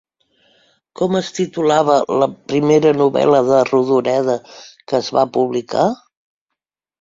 Com es titulava la primera novel·la de Rodoreda que es va publicar?